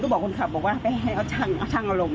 ก็บอกคนขับว่าไปให้เอาชั่งอารมณ์